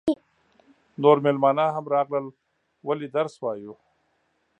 نور مېلمانه هم راغلل ولې درس وایو.